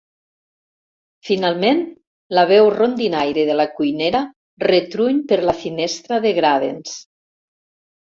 Finalment, la veu rondinaire de la cuinera retruny per la finestra de gràvens.